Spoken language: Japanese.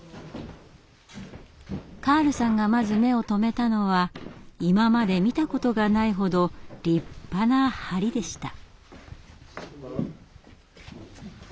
カールさんがまず目を留めたのは今まで見たことがないほど立派な梁でした。